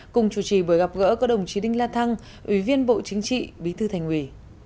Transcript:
cùng chủ trì buổi gặp gỡ có đồng chí đinh la thăng ủy viên bộ chính trị bí thư thành ủy